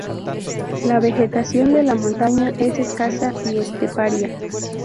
La vegetación de la montaña es escasa y esteparia.